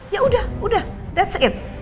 ya udah udah that's it